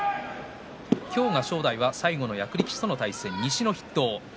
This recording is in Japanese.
今日は正代が最後の役力士との対戦、西の筆頭。